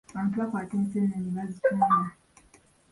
Abantu bakwata enseenene ne bazitunda.